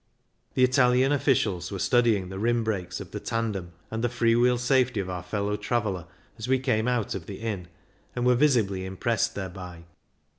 The Italian officials were study ing the rim brakes of the tandem and the free wheel safety of our fellow traveller as we came out of the inn, and were visibly impressed thereby.